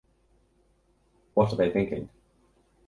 What are they thinking?